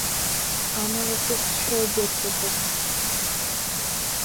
Амала сызцәшәогьы ак ыҟоуп.